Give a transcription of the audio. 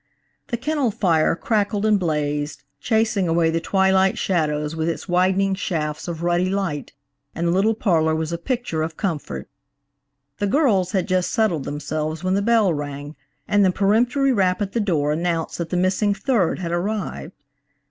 The cannel fire crackled and blazed, chasing away the twilight shadows with its widening shafts of ruddy light, and the little parlor was a picture of comfort. The girls had just settled themselves when the bell rang and the peremptory rap at the door announced that the missing third had arrived.